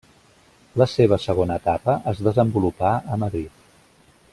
La seva segona etapa es desenvolupà a Madrid.